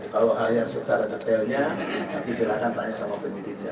kalau hal yang secara detailnya nanti silahkan tanya sama penyidiknya